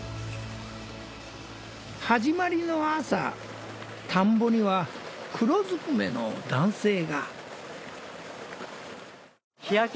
始まりの朝田んぼには黒ずくめの男性が。